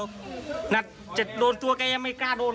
อยากกัดว่าจะโดนตัวแกยังไม่กล้าโดน